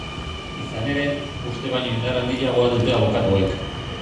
Izan ere, uste baino indar handiagoa dute abokatuek.